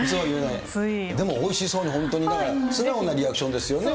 でもおいしそうに、素直なリアクションですよね。